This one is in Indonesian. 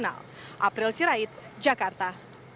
apel sirait jakarta